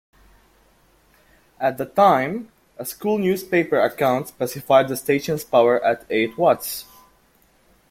At the time, a school newspaper account specified the station's power at eight watts.